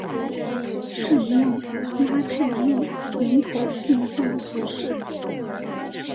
圣旺拉泰讷人口变化图示